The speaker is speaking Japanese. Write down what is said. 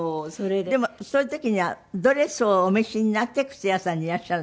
でもそういう時にはドレスをお召しになって靴屋さんにいらっしゃる？